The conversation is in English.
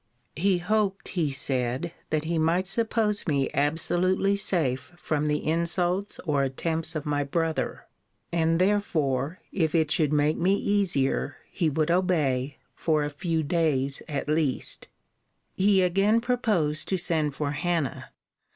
He hoped, he said, that he might suppose me absolutely safe from the insults or attempts of my brother; and, therefore, if it should make me easier, he would obey, for a few days at least. He again proposed to send for Hannah.